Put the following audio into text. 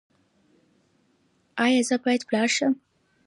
ایا زه باید پلار شم؟